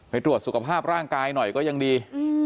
ตรวจสุขภาพร่างกายหน่อยก็ยังดี